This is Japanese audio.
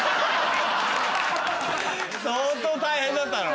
相当大変だったろ？